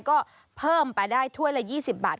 ก็เพิ่มไปได้ถ้วยละ๒๐บาท